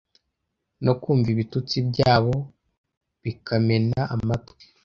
no kumva ibitutsi byabo bikamena amatwi